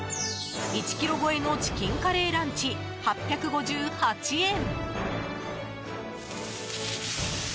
１ｋｇ超えのチキンカレーランチ８５８円。